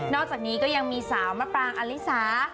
อกจากนี้ก็ยังมีสาวมะปรางอลิสา